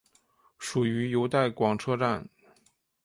属于由带广车站管理的无人车站。